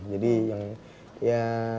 jadi yang ya